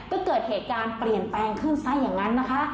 ก็เกิดเหตุการณ์เปลี่ยนแปลงขึ้นซะอย่างนั้นนะคะ